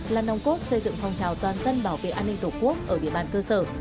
là nồng cốt xây dựng phòng trào toàn dân bảo vệ an ninh tổ quốc ở địa bàn cơ sở